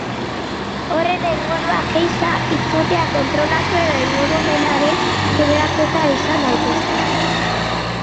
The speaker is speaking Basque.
Horren helburuak ehiza, izurriak kontrolatu edo ingurumenaren kudeaketa izan daitezke.